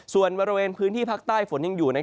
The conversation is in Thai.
ส่วนบริเวณพื้นที่ภาคใต้ฝนยังอยู่